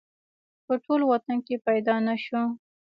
په ټول وطن کې پیدا نه شو